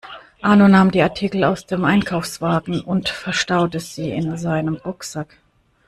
Arno nahm die Artikel aus dem Einkaufswagen und verstaute sie in seinem Rucksack.